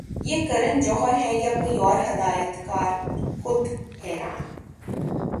یہ کرن جوہر ہیں یا کوئی اور ہدایت کار خود حیران